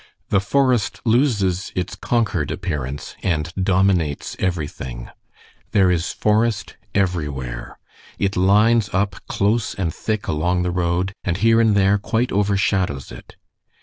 The forest loses its conquered appearance, and dominates everything. There is forest everywhere. It lines up close and thick along the road, and here and there quite overshadows it.